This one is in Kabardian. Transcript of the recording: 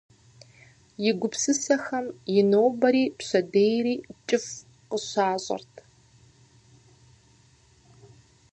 И гупсысэхэм и нобэри пщэдейри кӏыфӏ къыщащӏырт.